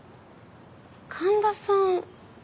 神田さん